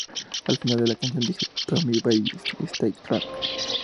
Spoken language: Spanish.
Al final de la canción dice "To my babies, stay strong.